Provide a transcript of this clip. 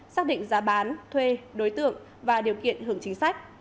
xác định giá bán thuê đối tượng và điều kiện hưởng chính sách